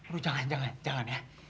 aduh jangan jangan jangan ya